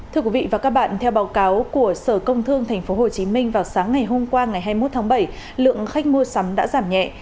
thưa quý vị và các bạn theo báo cáo của sở công thương tp hcm vào sáng ngày hôm qua ngày hai mươi một tháng bảy lượng khách mua sắm đã giảm nhẹ